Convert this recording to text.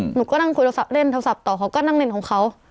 หนูก็นั่งคุยโทรศัพท์เล่นโทรศัพท์ต่อเขาก็นั่งเล่นของเขา